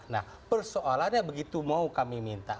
nah persoalannya begitu mau kami minta